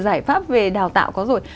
giải pháp về đào tạo có rồi